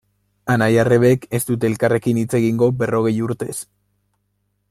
Anai-arrebek ez dute elkarrekin hitz egingo berrogei urtez.